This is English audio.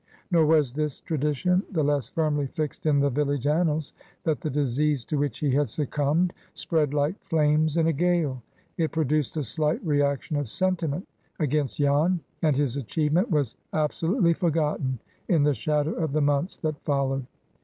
Nor was this tradition the less firmly fixed in the village annals, that the disease to which he had succumbed spread like flames in a gale. It produced a slight reaction of sentiment against Jan. And his achievement was absolutely forgotten in the shadow of the months that followed.